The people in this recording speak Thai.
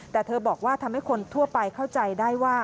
แต่เธอบอกว่าทำให้คนทั่วไปเข้าใจได้ว่า